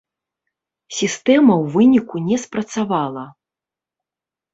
Сістэма ў выніку не спрацавала.